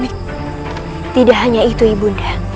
ga hanya itu ibu